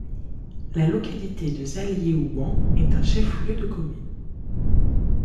La localité de Zalié-Houan est un chef-lieu de commune.